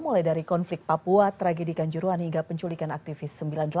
mulai dari konflik papua tragedi kanjuruhan hingga penculikan aktivis sembilan puluh delapan